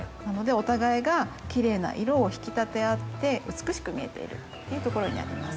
お互いがきれいな色を引き立て合って美しく見えているというところにあります。